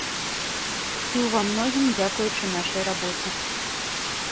І ў ва многім дзякуючы нашай рабоце.